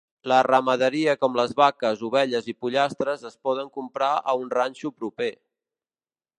La ramaderia, com les vaques, ovelles i pollastres, es poden comprar a un ranxo proper.